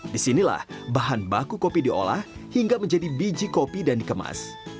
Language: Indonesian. disinilah bahan baku kopi diolah hingga menjadi biji kopi dan dikemas